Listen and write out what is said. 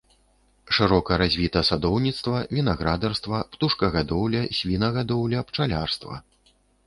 Шырока развіта садоўніцтва, вінаградарства, птушкагадоўля, свінагадоўля, пчалярства.